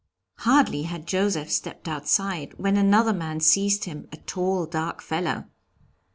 "Hardly had Joseph stepped outside, when another man seized him a tall, dark fellow.